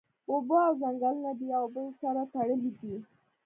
اوبه او ځنګلونه د یو او بل سره تړلی دی